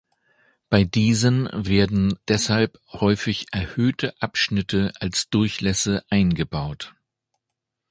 Bei diesen werden deshalb häufig erhöhte Abschnitte als Durchlässe eingebaut.